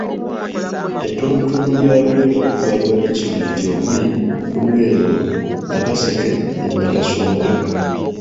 Ettundutundu lya Luweero litwalira disitulikiti okuli; Luweero, Nakaseke ne Nakasongola.